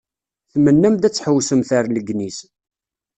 Tmennam-d ad tḥewwsemt ar Legniz.